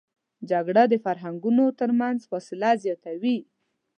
جګړه د فرهنګونو تر منځ فاصله زیاتوي